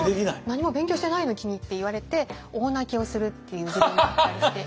「何も勉強してないの君」って言われて大泣きをするっていう事例もあったりして。